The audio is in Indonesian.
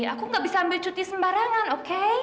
aku gak bisa ambil cuti sembarangan oke